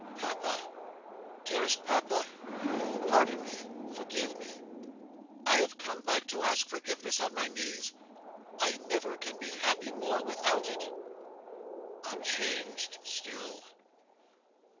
"Papa! Dearest Papa! Pardon me, forgive me! I have come back to ask forgiveness on my knees. I never can be happy more, without it!" Unchanged still.